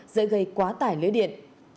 dễ gây quá tải lưới điện